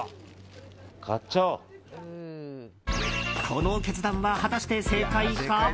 この決断は果たして、正解か。